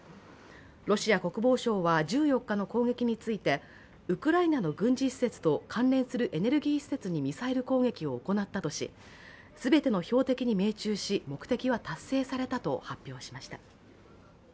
ロシア国防省は１４日の攻撃についてウクライナの軍事施設と関連するエネルギー施設にミサイル攻撃を行ったとしすべての標的に命中し、目的は達成されたと発表しました。